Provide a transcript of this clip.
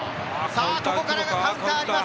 ここからがカウンターあります。